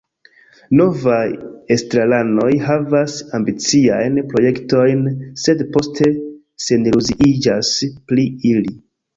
Novaj estraranoj havas ambiciajn projektojn, sed poste seniluziiĝas pri ili.